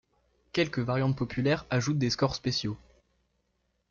Quelques variantes populaires ajoutent des scores spéciaux.